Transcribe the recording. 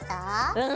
うん！